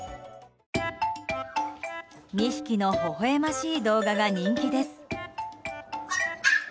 ２匹の、ほほ笑ましい動画が人気です。